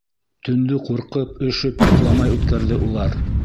Төндө ҡурҡып, өшөп, йоҡламай үткәрҙе улар.